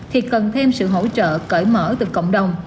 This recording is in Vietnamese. thì cần thêm sự hỗ trợ cởi mở từ cộng đồng